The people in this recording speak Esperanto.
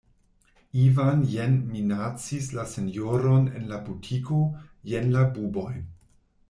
Ivan jen minacis la sinjoron en la butiko, jen la bubojn.